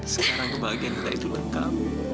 sekarang kebahagiaan kita itu untuk kamu